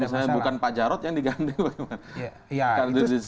kalau misalnya bukan pak jarod yang diganteng bagaimana